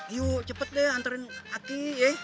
yuk cepet deh anterin aki yeh